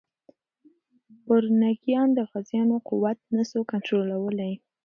پرنګیان د غازيانو قوت نه سو کنټرولولی.